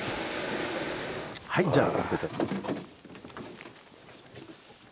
はいじゃあ。